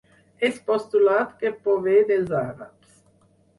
És postulat que prové dels àrabs.